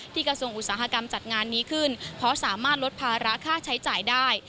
กระทรวงอุตสาหกรรมจัดงานนี้ขึ้นเพราะสามารถลดภาระค่าใช้จ่ายได้